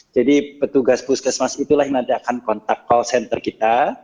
jadi petugas puskesmas itulah yang nanti akan kontak call center kita